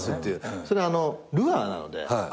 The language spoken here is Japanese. それルアーなので。